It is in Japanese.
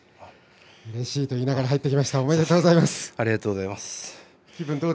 うれしいと言いながら入ってきましたありがとうございます。